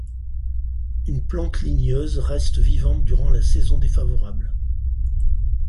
Une plante ligneuse reste vivante durant la saison défavorable.